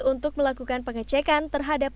untuk melakukan pengecekan terhadap